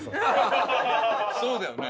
そうだよね。